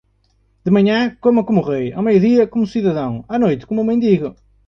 De manhã, coma como rei, ao meio-dia, como cidadão, à noite como mendigo.